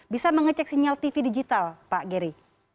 bisa mengecek sinyal tv digital pak geri